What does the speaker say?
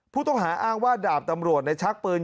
ผู้ต้องหาอ้างว่าดาบตำรวจในชักปืน